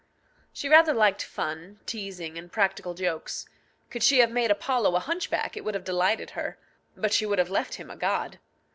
She rather liked fun, teasing, and practical jokes. Could she have made Apollo a hunchback, it would have delighted her. But she would have left him a god.